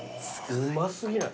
うま過ぎない？